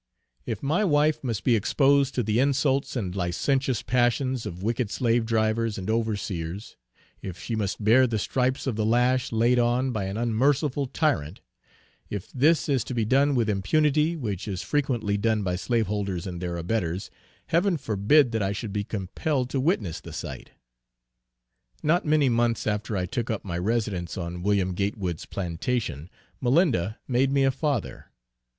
If my wife must be exposed to the insults and licentious passions of wicked slavedrivers and overseers; if she must bear the stripes of the lash laid on by an unmerciful tyrant; if this is to be done with impunity, which is frequently done by slaveholders and their abettors, Heaven forbid that I should be compelled to witness the sight. Not many months after I took up my residence on Wm. Gatewood's plantation, Malinda made me a father.